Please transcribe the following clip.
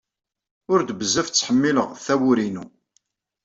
Ur d bzzaf ttḥmilɣ tawuri inu